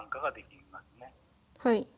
はい。